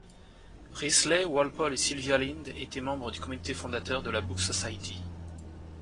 Priestley, Walpole et Sylvia Lynd étaient membres du comité fondateur de la Book Society.